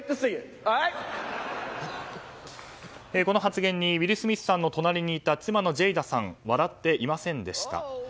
この発言にウィル・スミスさんの隣にいた妻のジェイダさん笑っていませんでした。